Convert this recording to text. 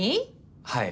はい。